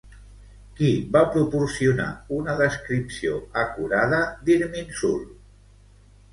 Qui va proporcionar una descripció acurada d'Irminsul?